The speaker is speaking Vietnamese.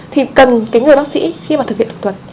thì cần cái người bác sĩ khi mà thực hiện học thuật